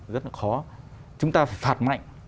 nó khó chúng ta phải phạt mạnh